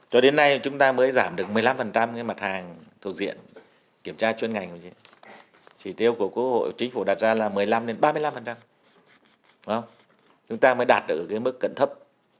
cho đến nay chúng ta mới giảm được một mươi năm mặt hàng thuộc diện kiểm tra chuyên ngành chỉ tiêu của quốc hội chính phủ đặt ra là một mươi năm ba mươi năm chúng ta mới đạt ở mức cận thấp